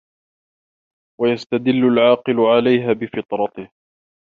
وَيَسْتَدِلُّ الْعَاقِلُ عَلَيْهَا بِفِطْرَتِهِ